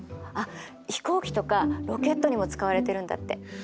あっ飛行機とかロケットにも使われてるんだって。